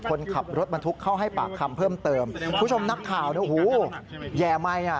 คนขับรถบรรทุกเข้าให้ปากคำเพิ่มเติมคุณผู้ชมนักข่าวเนี่ยหูแย่ไหมอ่ะ